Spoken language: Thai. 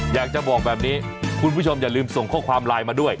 อยากจะบอกแบบนี้คุณผู้ชมอย่าลืมส่งข้อความไลน์มาด้วย